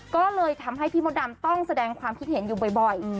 ก็เลยทำให้พี่มดดำต้องแสดงความคิดเห็นอยู่บ่อย